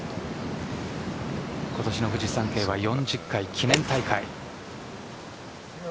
今年のフジサンケイは４０回記念大会。